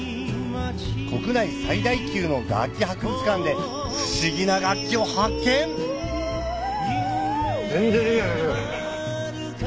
国内最大級の楽器博物館で不思議な楽器を発見⁉全然できない。